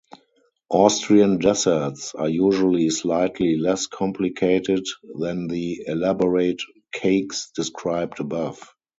Austrian desserts are usually slightly less complicated than the elaborate cakes described above.